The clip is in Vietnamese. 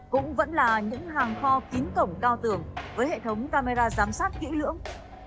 cũng vẫn là những hàng kho kín cổng cao tường với hệ thống camera giám sát kỹ lưỡng